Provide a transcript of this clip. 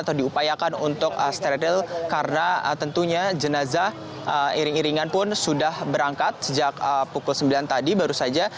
atau diupayakan untuk steril karena tentunya jenazah iring iringan pun sudah berangkat sejak pukul sembilan tadi baru saja